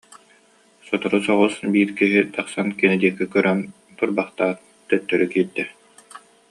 Сотору соҕус биир киһи тахсан кини диэки көрөн турбахтаат, төттөрү киирдэ